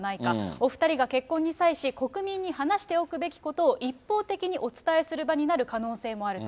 お２人が結婚に際し、国民に話しておくべきことを一方的にお伝えする場になる可能性もあると。